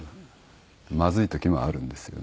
まずい時もあるんですよね。